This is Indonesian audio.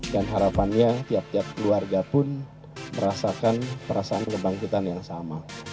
dan harapannya tiap tiap keluarga pun merasakan perasaan kebangkitan yang sama